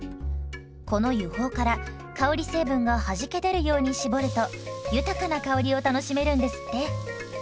この油胞から香り成分がはじけ出るように搾ると豊かな香りを楽しめるんですって。